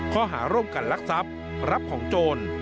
ข้อหาร่วมกันลักทรัพย์รับของโจร